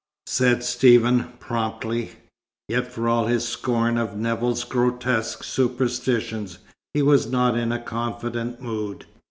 said Stephen, promptly. Yet for all his scorn of Nevill's grotesque superstitions, he was not in a confident mood.